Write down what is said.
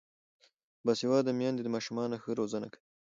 باسواده میندې د ماشومانو ښه روزنه کوي.